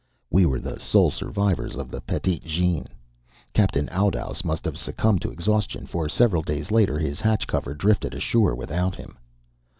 We were the sole survivors of the Petite Jeanne. Captain Oudouse must have succumbed to exhaustion, for several days later his hatch cover drifted ashore without him.